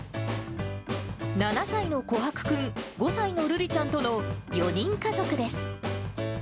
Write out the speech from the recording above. ７歳の琥珀君、５歳の瑠莉ちゃんとの４人家族です。